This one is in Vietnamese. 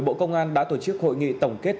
bộ công an đã tổ chức hội nghị tổng kết